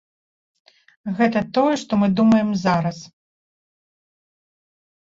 Гэта тое, што мы думаем зараз.